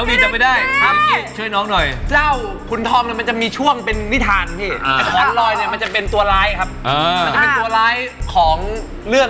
ไม่เลือกพี่อะไม่เลือกพี่อะพวกเนี่ย